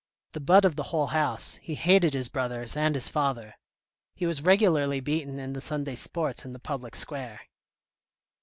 The butt of the whole house, he hated his brothers and his father. He was regularly beaten in the Sunday sports in the public square.